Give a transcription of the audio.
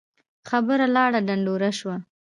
خبره لاړه ډنډوره شوه.